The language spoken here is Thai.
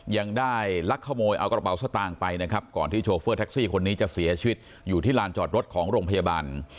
ยังได้ลักขโมยเอากระเป๋าสตางค์ไปนะครับก่อนที่โชเฟอร์แท็กซี่คนนี้จะเสียชีวิตอยู่ที่ลานจอดรถของโรงพยาบาล